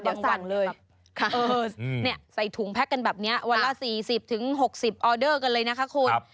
เดี๋ยวสั่งเลยใส่ถุงแพ็คกันแบบนี้วันละ๔๐๖๐ออเดอร์กันเลยนะคะคุณ